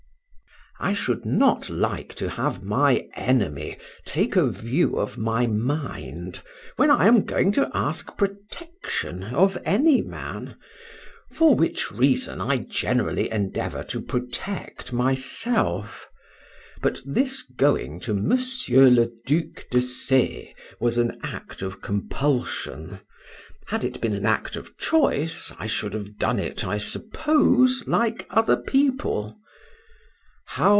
I SHOULD not like to have my enemy take a view of my mind when I am going to ask protection of any man; for which reason I generally endeavour to protect myself; but this going to Monsieur le Duc de C— was an act of compulsion; had it been an act of choice, I should have done it, I suppose, like other people.